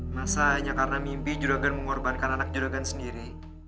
masa hanya karena mimpi juragan mengorbankan anak juragan sendiri